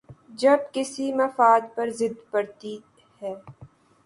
جب کسی مفاد پر زد پڑتی ہے۔